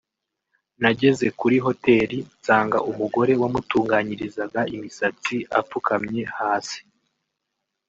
“Nageze kuri Hoteli nsanga umugore wamutunganyirizaga imisatsi apfukamye hasi